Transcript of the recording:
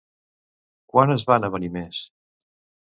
Quan es van avenir més?